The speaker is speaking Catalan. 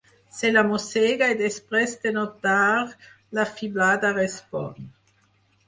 Se la mossega i després de notar la fiblada respon.